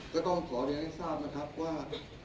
ก็ต้องขอเรียนให้ทราบนะครับว่า